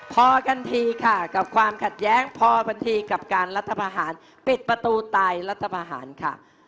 พอกันทีค่ะกับความขัดแย้งพอบางทีกับการรัฐพาหารปิดประตูตายรัฐพาหารค่ะ